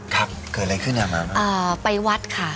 ครับเกิดอะไรขึ้นหมา